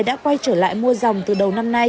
đã quay trở lại mua dòng từ đầu năm nay